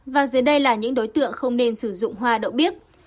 và dưới đây là những đối tượng không nên sử dụng hoa đậu bích